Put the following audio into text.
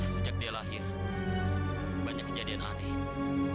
sejak dia lahir banyak kejadian aneh